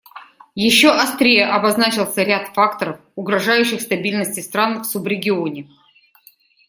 Еще острее обозначился ряд факторов, угрожающих стабильности стран в субрегионе.